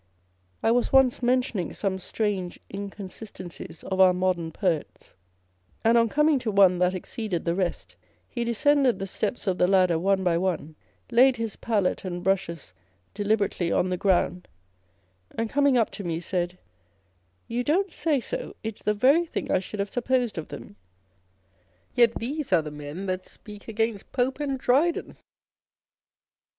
I was once men tioning some strange inconsistencies of our modern poets ; and on coming to one that exceeded the rest, he descended the steps of the ladder one by one, laid his pallet and brushes deliberately on tho ground, and coming up to said â€" « You don't say so, it's the very thing I should have supposed of them : yet these are the men that speak against Pope and Dryden."